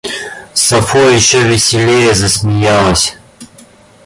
Сафо еще веселее засмеялась.